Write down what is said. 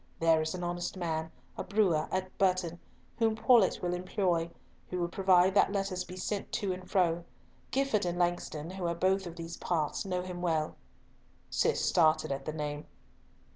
There is an honest man, a brewer, at Burton, whom Paulett will employ, who will provide that letters be sent to and fro. Gifford and Langston, who are both of these parts, know him well." Cis started at the name.